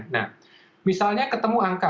nah misalnya ketemu angka